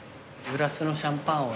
グラスのシャンパンを。